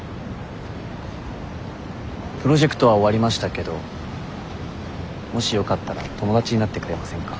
プロジェクトは終わりましたけどもしよかったら友達になってくれませんか？